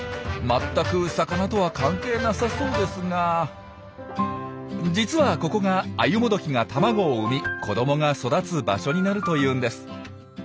全く魚とは関係なさそうですが実はここがアユモドキが卵を産み子どもが育つ場所になるというんです。